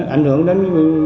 ảnh hưởng đến